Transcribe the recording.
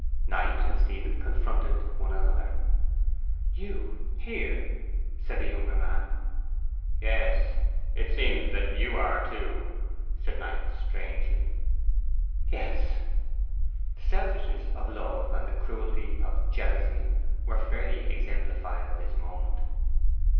Knight and Stephen confronted one another. 'You here!' said the younger man. 'Yes. It seems that you are too,' said Knight, strangely. 'Yes.' The selfishness of love and the cruelty of jealousy were fairly exemplified at this moment.